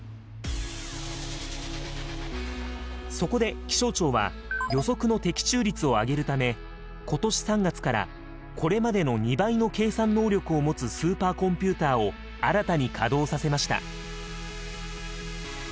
そこで気象庁は予測の的中率を上げるため今年３月からこれまでの２倍の計算能力を持つスーパーコンピューターを新たに稼働させました。